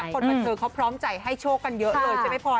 คนบันเทิงเขาพร้อมใจให้โชคกันเยอะเลยใช่ไหมพลอย